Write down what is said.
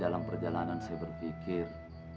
dalam perjalanan saya berpikir